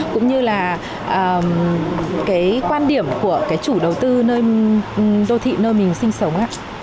cũng như là cái quan điểm của cái chủ đầu tư nơi đô thị nơi mình sinh sống